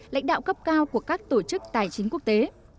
lãnh đạo cấp cao của các tổ chức tài chính quốc tế